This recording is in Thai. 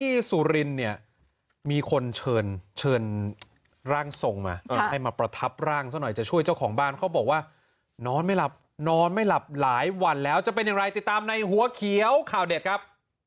สุรินเนี่ยมีคนเชิญร่างทรงมาให้มาประทับร่างซะหน่อยจะช่วยเจ้าของบ้านเขาบอกว่านอนไม่หลับนอนไม่หลับหลายวันแล้วจะเป็นอย่างไรติดตามในหัวเขียวข่าวเด็ดครับ